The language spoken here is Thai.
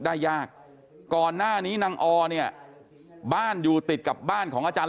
ได้ยากก่อนหน้านี้นางอเนี่ยบ้านอยู่ติดกับบ้านของอาจารย์